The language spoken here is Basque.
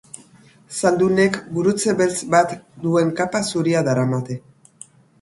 Zaldunek, gurutze beltz bat duen kapa zuria daramate.